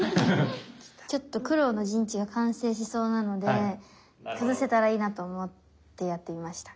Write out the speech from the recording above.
ちょっと黒の陣地が完成しそうなので崩せたらいいなと思ってやってみました。